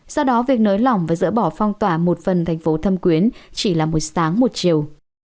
do đó việc nới lỏng và dỡ bỏ phong tỏa một phần thành phố thâm quyến chỉ là một sáng một chiều